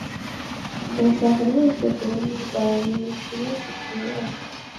Urashaka rwose kundwanyaikibazo twibaza